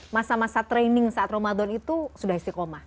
masa masa training saat ramadan itu sudah istiqomah